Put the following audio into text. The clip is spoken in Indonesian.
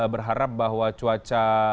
berharap bahwa cuaca